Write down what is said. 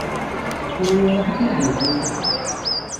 Kenwi ṛuḥet ma d nutni fiḥel.